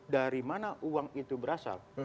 dari mana uang itu berasal